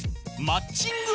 マッチング。